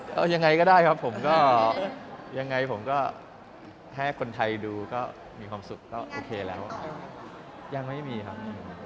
ถ้ามีก็เดี๋ยวไปเรียนภาษาจีนก่อน